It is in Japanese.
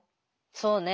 そうね。